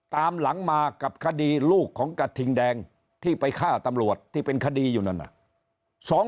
ตามหลังมากับคดีลูกของกระทิงแดงที่ไปฆ่าตำรวจที่เป็นคดีอยู่นั่นน่ะ